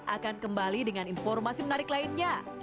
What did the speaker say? akan kembali dengan informasi menarik lainnya